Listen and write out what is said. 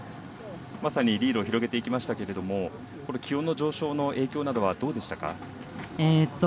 まさにリードを広げていきましたけど気温の上昇の影響などはどうでしたか？